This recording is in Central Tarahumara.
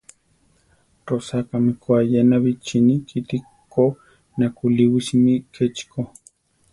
Rosakámi ko ayena bichíni kiti ko nakúliwisimi; kechi ko.